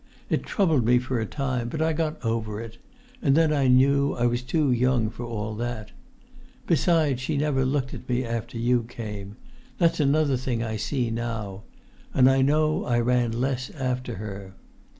It troubled me for a time; but I got over it; and then I knew I was too young for all that. Besides, she never looked at me after you came; that's another thing I see now; and I know I ran less after her.